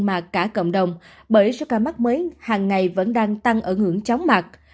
mà cả cộng đồng bởi số ca mắc mới hàng ngày vẫn đang tăng ở ngưỡng chóng mặt